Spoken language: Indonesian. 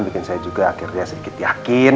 bikin saya juga akhirnya sedikit yakin